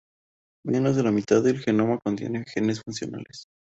Menos de la mitad del genoma contiene genes funcionales.